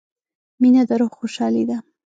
• مینه د روح خوشحالي ده.